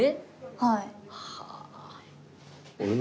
はい。